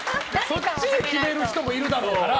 そっちで決める人もいるだろうから。